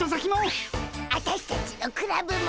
アタシたちのクラブも！